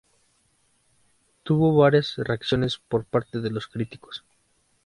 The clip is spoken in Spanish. Tuvo varias reacciones por parte de los críticos.